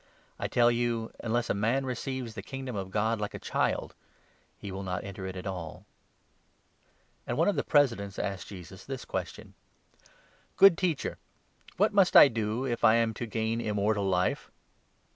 I tell you, unless a man receives the Kingdom 17 of God like a child, he will not enter it at all." The Re one °^ ^'ie Presidents asked Jesus this aponsibilities question of wealth. "Good Teacher, what must I do if I am to gain Immortal Life?"